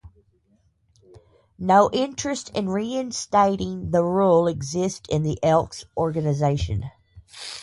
No interest in reinstating the rule exists in the Elks Organization.